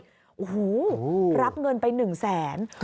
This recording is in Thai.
โอ้โหรับเงินไป๑แสน